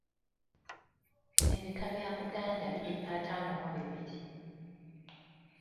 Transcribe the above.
Ebika bya Buganda biri ataano mu bibiri.